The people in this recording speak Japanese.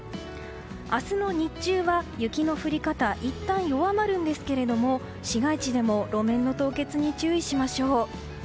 明日の日中は雪の降り方いったん弱まるんですが市街地でも路面の凍結に注意しましょう。